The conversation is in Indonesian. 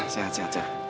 sehat sehat ya